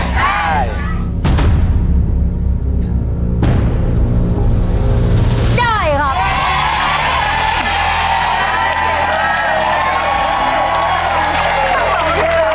ตีแล้ว